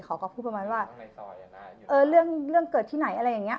เขาก็พูดประมาณว่าเรื่องเกิดที่ไหนอะไรอย่างเงี้